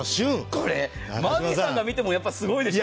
これ、マーフィーさんが見てもすごいでしょ？